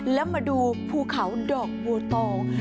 และมาดูภูเขาดอกบัวตอง